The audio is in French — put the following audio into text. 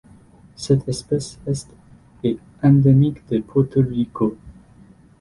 Cette espèce est est endémique de Porto Rico.